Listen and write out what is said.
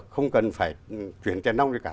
không cần phải chuyển trẻ nông gì cả